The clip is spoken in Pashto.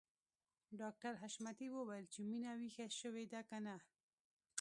ډاکټر حشمتي وويل چې مينه ويښه شوې ده که نه